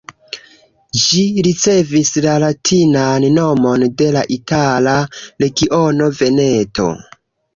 Ĝi ricevis la latinan nomon de la itala regiono Veneto.